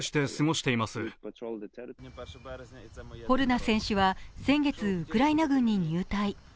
ホルナ選手は先月、ウクライナ軍に入隊。